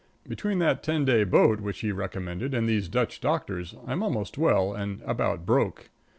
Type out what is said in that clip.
Between that ten day boat which he recommended and these Dutch doctors, I'm almost well and about broke.